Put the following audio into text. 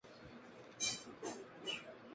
Not so rough, fellows!